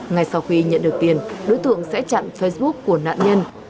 ngay sau khi nhận được tiền đối tượng sẽ chặn facebook của nạn nhân